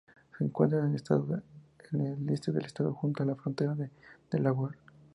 Se encuentra al este del estado, junto a la frontera con Delaware.